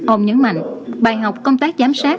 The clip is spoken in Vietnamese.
ông nhấn mạnh bài học công tác giám sát